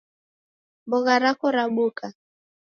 Mbogha rako rabuka?